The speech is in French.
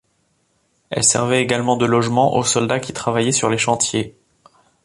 Elle servait également de logement aux soldats qui travaillaient sur les chantiers.